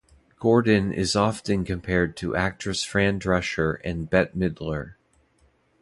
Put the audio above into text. Gordon is often compared to actress Fran Drescher and Bette Midler.